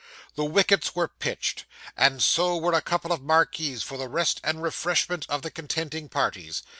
The wickets were pitched, and so were a couple of marquees for the rest and refreshment of the contending parties.